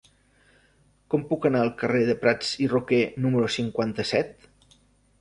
Com puc anar al carrer de Prats i Roquer número cinquanta-set?